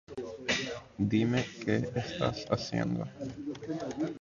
From time to time, the river is visited by canoeists.